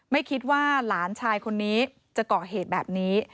ไม่คิดว่าหลานชายคนนี้จะเกาะเหตุแบบนี้